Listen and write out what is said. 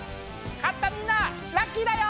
勝ったみんなはラッキーだよ！